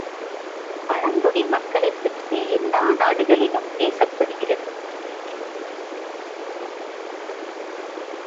பழங்குடி மக்களைப்பற்றி, எல்லா நாடுகளிலும் பேசப் படுகிறது.